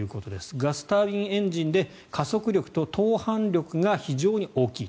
ガスタービンエンジンで加速力と登板力が非常に大きいと。